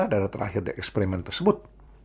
dan terakhir di eksperimen tersebut